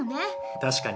確かに。